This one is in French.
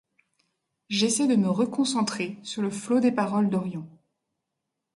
J’essaie de me re-concentrer sur le flot des paroles d’Orion.